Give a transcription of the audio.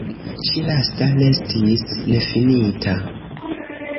Ĉi lasta restis nefinita.